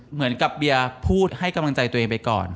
เหมือนกับเบียร์พูดให้กำลังใจตัวเองไปก่อน